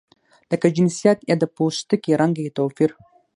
لکه جنسیت یا د پوستکي رنګ کې توپیر.